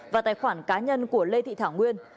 và tài khoản cá nhân của lê thị thảo nguyên